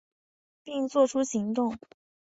并做出行动